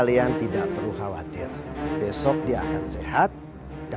ini sudah siang